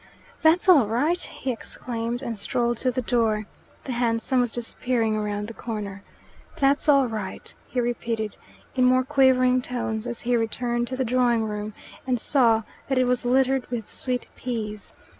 "That's all right," he exclaimed, and strolled to the door. The hansom was disappearing round the corner. "That's all right," he repeated in more quavering tones as he returned to the drawing room and saw that it was littered with sweet peas.